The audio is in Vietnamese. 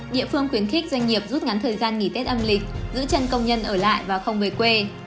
địa phương khuyến khích doanh nghiệp rút ngắn thời gian nghỉ tết âm lịch giữ chân công nhân ở lại và không về quê